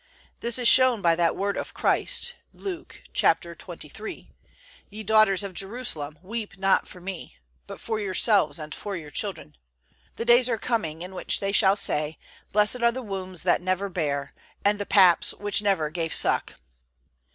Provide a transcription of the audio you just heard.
This is shown by that word of Christ, Luke xxiii, "Ye daughters of Jerusalem, weep not for me, but for yourselves and for your children. The days are coming, in which they shall say: Blessed are the wombs that never bare, and the paps which never gave suck."